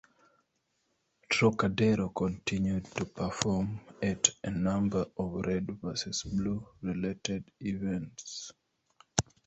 Trocadero continued to perform at a number of "Red versus Blue"-related events.